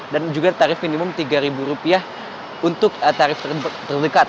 dan juga tarif minimum rp tiga untuk tarif terdekat